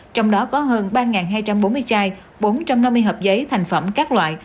trong đó có hơn ba hai trăm bốn mươi chai bốn trăm năm mươi hợp giấy thành phẩm các loại